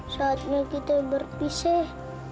saatnya kita berpisah